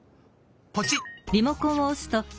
ポチッ！